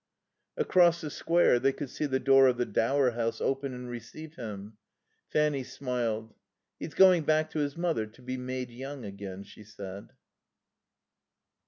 Across the Square they could see the door of the Dower House open and receive him. Fanny smiled. "He's going back to his mother to be made young again," she said.